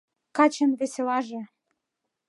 Качын веселаже